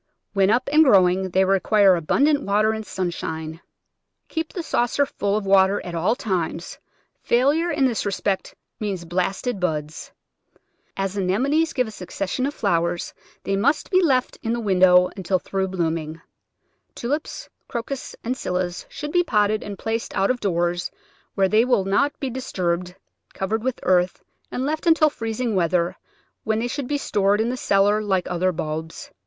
When up and growing they require abundant water and sunshine. Keep the saucer full of water all the time; failure in this respect means blasted buds. As Anemones give a succession of Digitized by Google 194 The Flower Garden [Chapter flowers* they must be left in the window until through blooming. Tulips, Crocus, and Scillas should be potted and placed out of doors where they will not be disturbed, covered with earth and left until freez ing weather, when they should be stored in the cellar like other bulbs.